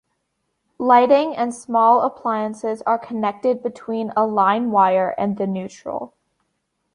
Lighting and small appliances are connected between a line wire and the neutral.